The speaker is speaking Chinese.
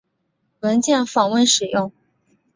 文件访问使用。